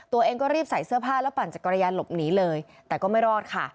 ตัวเองก็รีบใส่เสื้อผ้าแล้วปั่นจักรยานหลบหนีเลยแต่ก็ไม่รอดค่ะ